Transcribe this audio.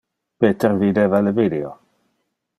Peter videva le video.